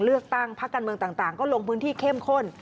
เลือกตั้งพักการเมืองต่างก็ลงพื้นที่เข้มข้น